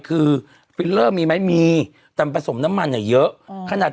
คือด้วยตามผสมน้ำมันเยอะ